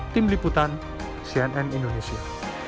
tim liputan cnn indonesia